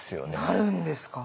なるんですか。